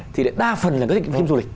thì đa phần là cái phim du lịch